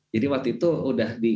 jadi waktu itu sudah di